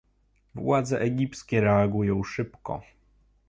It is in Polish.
Władze egipskie reagują szybko